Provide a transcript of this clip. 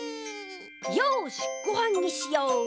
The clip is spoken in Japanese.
よしごはんにしよう！